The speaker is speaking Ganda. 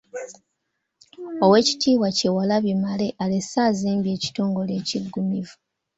Oweekitiibwa Kyewalabye Male alese azimbye ekitongole ekiggumivu.